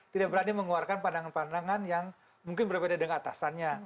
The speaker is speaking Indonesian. tidak berani mengeluarkan pandangan pandangan yang mungkin berbeda dengan atasannya